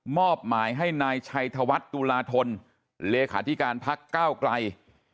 อบหมายให้นายชัยธวัฒน์ตุลาธนเลขาธิการพักก้าวไกล